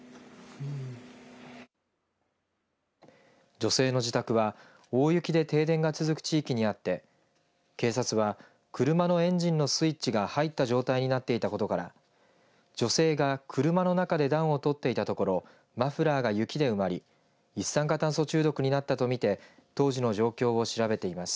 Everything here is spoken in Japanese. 女性の自宅は大雪で停電が続く地域にあって警察は車のエンジンのスイッチが入った状態になっていたことから女性が車の中で暖を取っていたところマフラーが雪で埋まり一酸化炭素中毒になったと見て当時の状況を調べています。